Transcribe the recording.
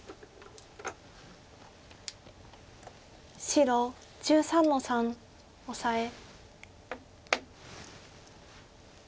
白１３の三オサエ。